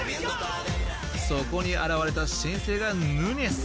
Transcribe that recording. そこに現れた新星がヌニェス。